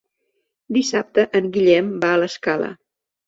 Dissabte en Guillem va a l'Escala.